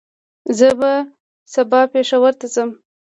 زه به سبا پېښور ته ځم